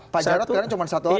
pak jarod sekarang cuma satu orang